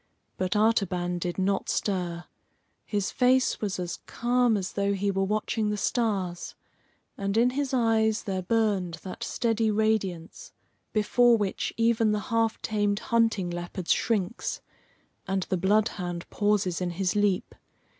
But Artaban did not stir. His face was as calm as though he were watching the stars, and in his eyes there burned that steady radiance before which even the half tamed hunting leopard shrinks, and the bloodhound pauses in his leap.